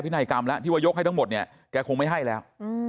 นัยกรรมแล้วที่ว่ายกให้ทั้งหมดเนี่ยแกคงไม่ให้แล้ว